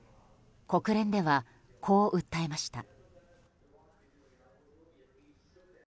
国連では、こう訴えました。